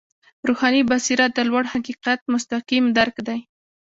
روحاني بصیرت د لوړ حقیقت مستقیم درک دی.